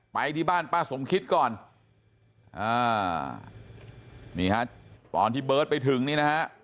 ไปที่บ้านป้าสมคิดก่อนอ่านี่ฮะตอนที่เบิร์ตไปถึงนี่นะฮะ